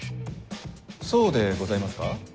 そうでございますか？